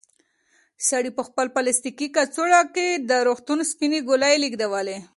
سړي په خپل پلاستیکي کڅوړه کې د روغتون سپینې ګولۍ لېږدولې.